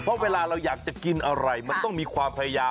เพราะเวลาเราอยากจะกินอะไรมันต้องมีความพยายาม